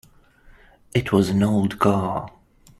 It was an old car.